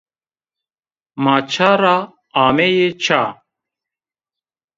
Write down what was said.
Ma ça ra ameyî ça!